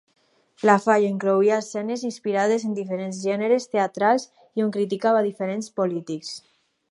La falla incloïa escenes inspirades en diferents gèneres teatrals i on criticava a diferents polítics.